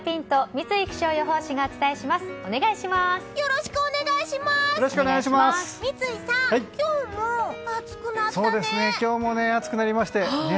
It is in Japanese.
三井さん、今日も暑くなったね。